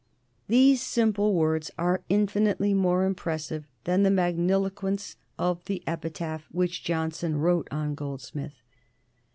These simple words are infinitely more impressive than the magniloquence of the epitaph which Johnson wrote on Goldsmith.